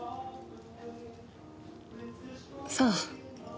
そう。